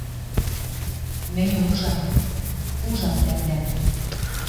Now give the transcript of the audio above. Мӹньӹ ужам, ужам тӓмдӓм.